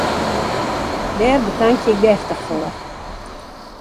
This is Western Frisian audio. Dêr betankje ik deftich foar!